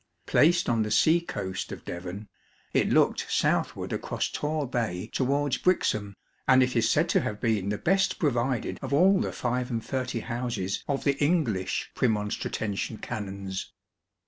Placed on the sea coast of Devon, it looked southward across Torre Bay towards Brixham, and it is said to have been the best provided of all the five and thirty houses of the English Premonstratensian canons.